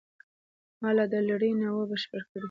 ما لا دا لړۍ نه وه بشپړه کړې.